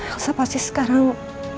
elsa pasti sekarang